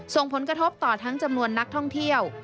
ส่งผลกระทบต่อทั้งจำนวนนักท่องเที่ยว